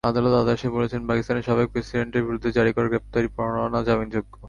আদালত আদেশে বলেছেন, পাকিস্তানের সাবেক প্রেসিডেন্টের বিরুদ্ধে জারি করা গ্রেপ্তারি পরোয়ানা জামিনযোগ্য।